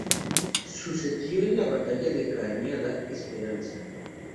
Sucedió en la batalla de Cañada Esperanza.